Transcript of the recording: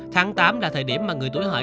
tháng tám là thời điểm mà người tuổi hợi